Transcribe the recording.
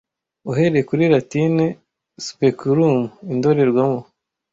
(Uhereye kuri latine speculum, indorerwamo):